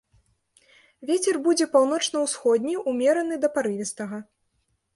Вецер будзе паўночна-ўсходні ўмераны да парывістага.